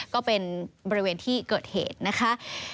ก็เป็นบริเวณที่เกิดเหตุนะคะ